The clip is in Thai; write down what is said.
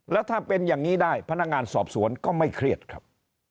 แล้วถ้าเป็นอย่างนี้ได้พนักงานสอบสวนก็ไม่เครียดครับ